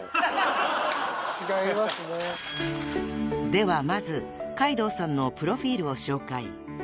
［ではまず海堂さんのプロフィールを紹介］